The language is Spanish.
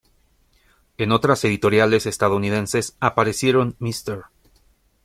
En otras editoriales estadounidenses aparecieron Mr.